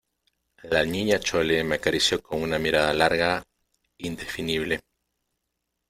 la Niña Chole me acarició con una mirada larga, indefinible.